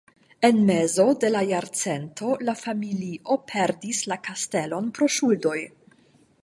En mezo de la jarcento la familio perdis la kastelon pro ŝuldoj.